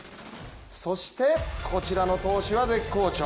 そして、こちらの投手は絶好調。